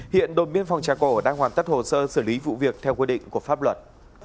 hiện đôi miếng phòng tra cổ đang hoàn tất hồ sơ xử lý vụ việc theo quy định của pháp luật